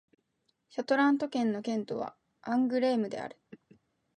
シャラント県の県都はアングレームである